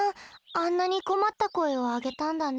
あんなに困った声をあげたんだね。